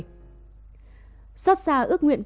sốt xa ước nguyện của các em các em sẽ được tự tin vào đời